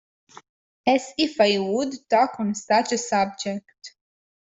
As if I would talk on such a subject!